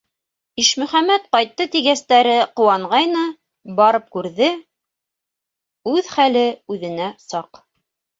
Ишмөхәмәт ҡайтты тигәстәре ҡыуанғайны, барып күрҙе - үҙ хәле үҙенә саҡ.